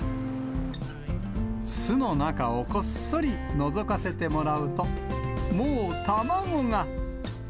巣の中をこっそりのぞかせてもらうと、もう卵が。